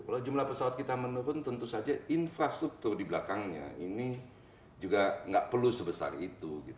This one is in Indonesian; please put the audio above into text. kalau jumlah pesawat kita menurun tentu saja infrastruktur di belakangnya ini juga nggak perlu sebesar itu